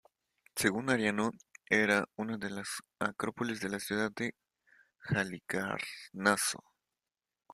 Según Arriano, era una de las acrópolis de la ciudad de Halicarnaso.